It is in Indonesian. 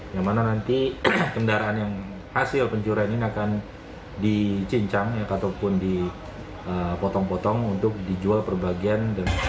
yang mana nanti kendaraan yang hasil pencurian ini akan dicincang ataupun dipotong potong untuk dijual per bagian